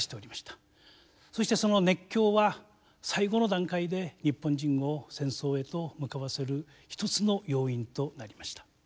そしてその熱狂は最後の段階で日本人を戦争へと向かわせる一つの要因となりました。